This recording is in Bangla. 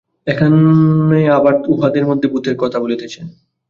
এখানে আবার উহাদের মধ্যে ভূতের কথা বলিতেছেন।